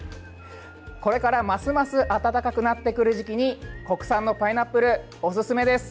これからますます暖かくなってくる時期に国産のパイナップルおすすめです！